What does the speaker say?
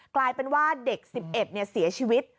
กลายเป็นว่าเด็ก๑๑เสียชีวิต